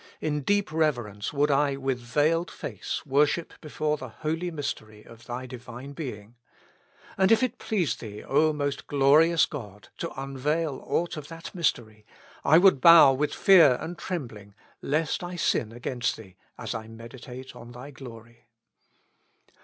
in deep reverence would I with veiled face worship before the holy mystery of Thy Divine Being. And if it please Thee, O most glorious God, to unveil aught of that mystery, I would bow with fear and trembling, lest I sin against Thee, as I meditate on Thy glory.